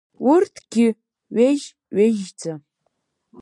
Урҭгьы ҩежь-ҩежьӡа.